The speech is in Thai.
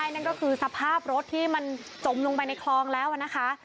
นั่นก็คือสภาพรถที่มันจมลงไปในคลองแล้วนะคะ